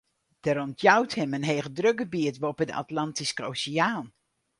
Der ûntjout him in hegedrukgebiet boppe de Atlantyske Oseaan.